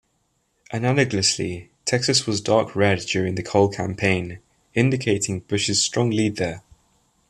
Analogously, Texas was dark red during the whole campaign, indicating Bush's strong lead there.